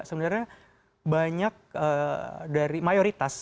sebenarnya banyak dari mayoritas